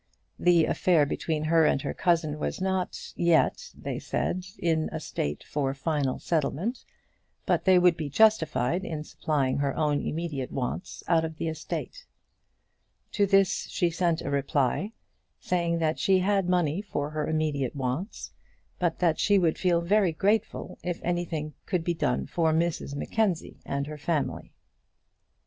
The affair between her and her cousin was not yet, they said, in a state for final settlement, but they would be justified in supplying her own immediate wants out of the estate. To this she sent a reply, saying that she had money for her immediate wants, but that she would feel very grateful if anything could be done for Mrs Mackenzie and her family.